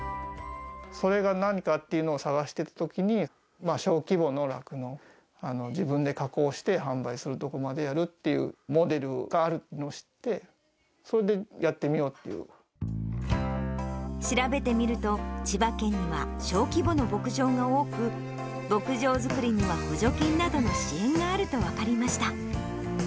それが何かっていうのを探していたときに、小規模の酪農、自分で加工して、販売するところまでやるっていう、モデルがあるのを知って、それで調べてみると、千葉県には小規模の牧場が多く、牧場作りには補助金などの支援があると分かりました。